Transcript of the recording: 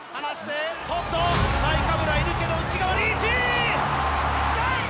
トッドナイカブラいるけど内側リーチ！